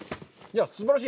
すばらしい！